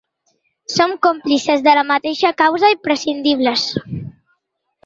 Som còmplices de la mateixa causa, imprescindibles.